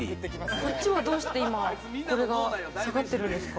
こっちはどうして、これが下がってるんですか？